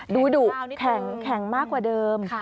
ดุแข็งมากกว่าเดิม